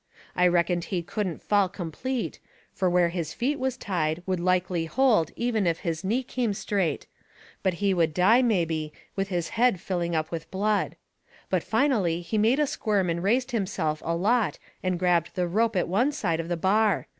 I reckoned he couldn't fall complete, fur where his feet was tied would likely hold even if his knee come straight but he would die mebby with his head filling up with blood. But finally he made a squirm and raised himself a lot and grabbed the rope at one side of the bar.